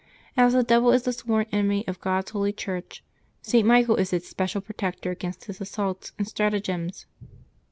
As the devil is the sworn enemy of God's holy Church, St. Michael is its special protector against his assaults and stratagems.